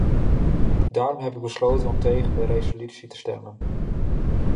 Daarom heb ik besloten om tegen de resolutie te stemmen.